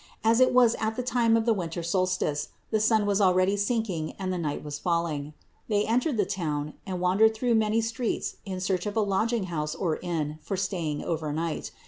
As it was at the time of the winter solstice, the sun was already sinking and the night was falling. They entered the town, and wandered through many streets in search of a lodging house or inn for staying over night.